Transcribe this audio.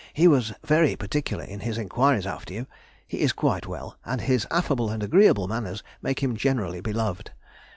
He was very particular in his enquiries after you. He is quite well, and his affable and agreeable manners make him generally beloved.